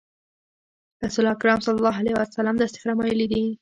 رسول اکرم صلی الله علیه وسلم داسې فرمایلي دي.